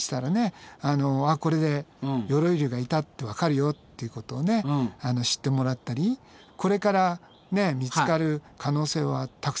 これで鎧竜がいたってわかるよっていうことを知ってもらったりこれから見つかる可能性はたくさんあると思うので。